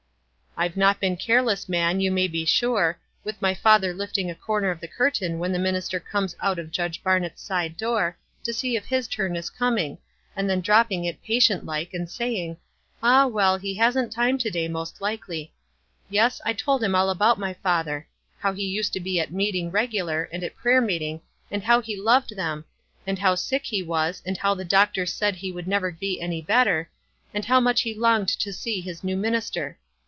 "I've not been careless, ma'am, you may be 160 WISE AND OTHEEWISH sure, with my father lifting a corner of the cur tain when the minister comes out of Judge Bar nett's side door, to see if his turn is coming; and then dropping it, patient like, and saying, f Ah, well, he hasn't time to day, most likely.' Yes, 1 told him all about my father — how he used to be at meeting regular, and at prayer ^neeti ng, and how he loved them, and how sick be was, and how the doctor said he would never oe any better, and how much he longed to see his new minister.